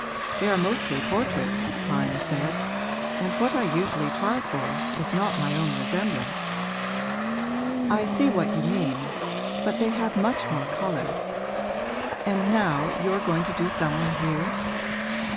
'They are mostly portraits,' Lyon said; 'and what I usually try for is not my own resemblance.' 'I see what you mean. But they have much more colour. And now you are going to do some one here?'